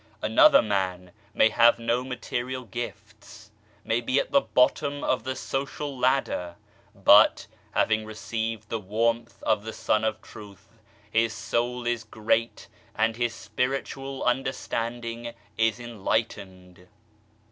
Another man may have no material gifts, may be at the bottom of the social ladder, but, having received the warmth of the Sun of Truth his soul is great and his Spiritual understanding is enligh tened.